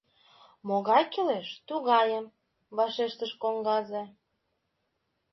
— Могай кӱлеш — тугайым, — вашештыш коҥгазе.